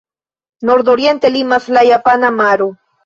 Nordoriente limas la Japana maro.